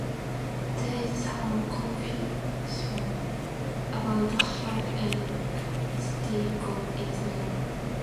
There is some confusion about how Elk City got its name.